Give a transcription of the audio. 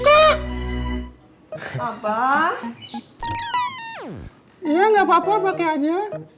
apa apa pakai aja